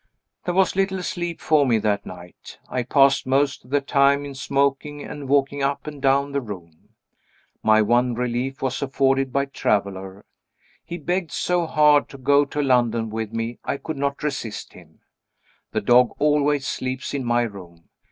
There was little sleep for me that night. I passed most of the time in smoking and walking up and down the room. My one relief was afforded by Traveler he begged so hard to go to London with me, I could not resist him. The dog always sleeps in my room.